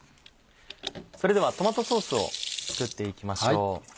それではトマトソースを作っていきましょう。